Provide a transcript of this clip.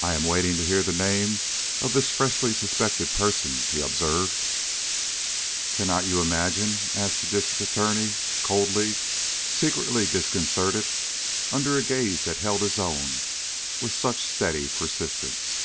"I am waiting to hear the name of this freshly suspected person," he observed. "Cannot you imagine?" asked the District Attorney, coldly, secretly disconcerted under a gaze that held his own with such steady persistence.